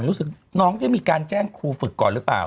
รู้สึกน้องได้มีการแจ้งครูฝึกก่อนหรือเปล่า